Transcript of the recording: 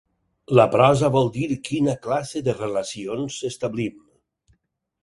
La prosa vol dir quina classe de relacions establim.